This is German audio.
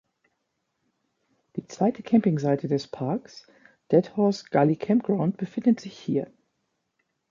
Die zweite Campingseite des Parks, Dead Horse Gully campground, befindet sich hier.